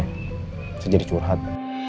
bisa jadi curhat